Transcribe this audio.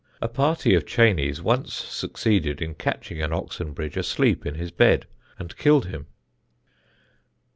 A party of Cheyneys once succeeded in catching an Oxenbridge asleep in his bed, and killed him.